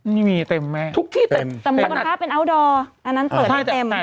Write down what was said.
นี่มีเต็มไหมทุกที่เต็มสมมุติกลับมาค้าเป็นอาว์ดอร์อันนั้นเปิดไม่เต็ม